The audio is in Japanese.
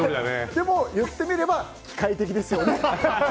でも、言ってみれば機械的ですよね。